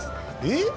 えっ？